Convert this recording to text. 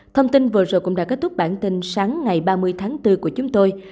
thông tin vừa rồi cũng đã kết thúc bản tin sáng ngày ba mươi tháng bốn của chúng tôi